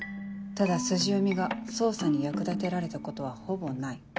ただ筋読みが捜査に役立てられたことはほぼない。